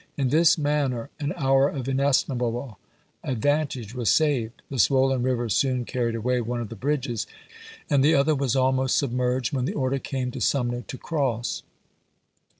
In this manner an hour of inestimable advantage was saved. The swollen river soon carried away one of the bridges, and the other was almost submerged when the order came to Sumner to cross.